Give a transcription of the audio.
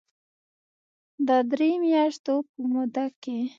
د درې مياشتو په موده کې